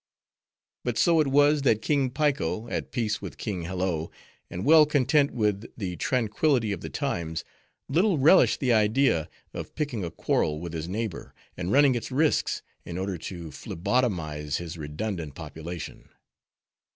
But so it was, that King Piko, at peace with King Hello, and well content with, the tranquillity of the times, little relished the idea of picking a quarrel with his neighbor, and running its risks, in order to phlebotomize his redundant population.